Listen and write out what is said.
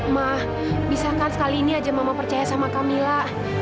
ma bisakan sekali ini aja mama percaya sama kamilah